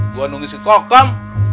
gua nunggu si kokom